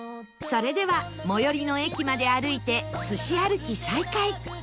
それでは最寄りの駅まで歩いてすし歩き再開！